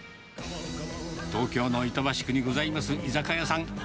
東京の板橋区にございます居酒屋さん。